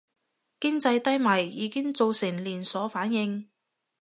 經濟低迷已經造成連鎖反應